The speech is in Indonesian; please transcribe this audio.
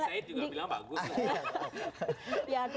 ya isahid juga bilang bagus